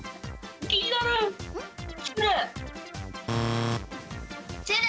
きになる！